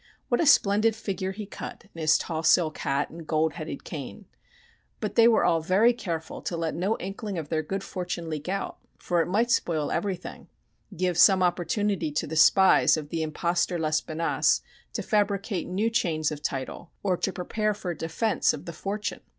What a splendid figure he cut in his tall silk hat and gold headed cane! But they were all very careful to let no inkling of their good fortune leak out, for it might spoil everything give some opportunity to the spies of the impostor Lespinasse to fabricate new chains of title or to prepare for a defense of the fortune.